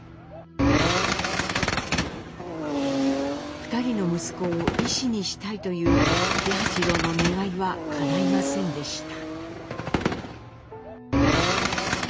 ２人の息子を医師にしたいという喜八郎の願いはかないませんでした。